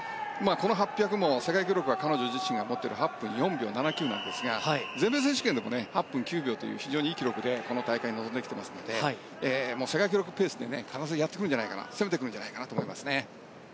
この８００も世界記録は彼女自身が持っている８分４秒７９なんですが全米選手権でも８分９秒という非常にいい記録でこの大会に臨んできていますので世界記録ペースでやってくる攻めてくるんじゃないかと。